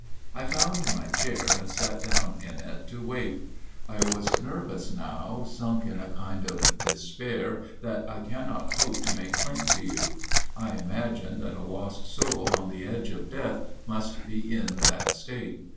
I found my chair and sat down in it to wait. I was nerveless now, sunk in a kind of despair that I cannot hope to make plain to you. I imagine that a lost soul on the edge of death must be in that state.